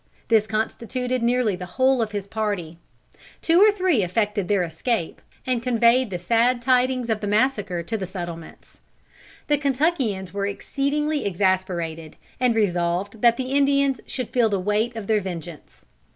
This constituted nearly the whole of his party. Two or three effected their escape, and conveyed the sad tidings of the massacre to the settlements. The Kentuckians were exceedingly exasperated, and resolved that the Indians should feel the weight of their vengeance.